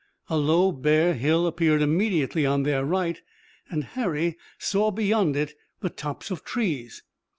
A low bare hill appeared immediately on their right, and Harry saw beyond it the tops of trees.